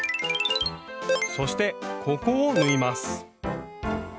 そしてここを縫います。